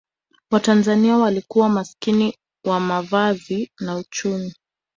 watanzania walikuwa maskini wa mavazi na uchumi